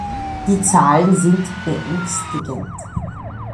Die Zahlen sind beängstigend.